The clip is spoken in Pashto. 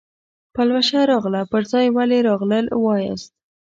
پلوشه راغله پر ځای ولې راغلل وایاست.